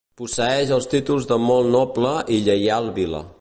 Posseeix els títols de molt noble i lleial vila.